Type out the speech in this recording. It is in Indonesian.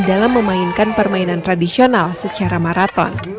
dalam memainkan permainan tradisional secara maraton